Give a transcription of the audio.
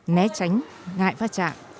né tránh ngại phá trạng